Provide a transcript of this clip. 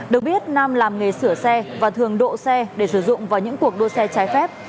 được biết nam làm nghề sửa xe và thường độ xe để sử dụng vào những cuộc đua xe trái phép